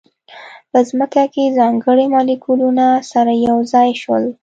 په ځمکه کې ځانګړي مالیکولونه سره یو ځای شول.